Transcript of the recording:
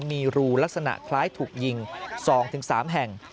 มีรูลักษณะคล้ายถูกยิง๒๓แห่ง